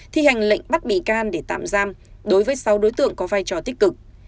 thi hành lệnh bắt bị can để tạm giam đối với sáu đối tượng có vai trò tích cực